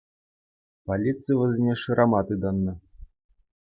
Полици вӗсене шырама тытӑннӑ.